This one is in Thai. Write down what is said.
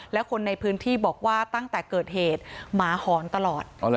และคนในพื้นที่บอกว่าตั้งแต่เกิดเหตุหมาหอนตลอด